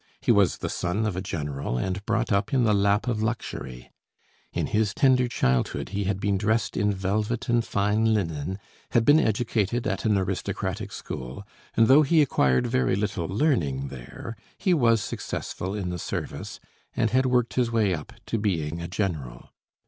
He was the son of a general, and brought up in the lap of luxury; in his tender childhood he had been dressed in velvet and fine linen, had been educated at an aristocratic school, and though he acquired very little learning there he was successful in the service, and had worked his way up to being a general.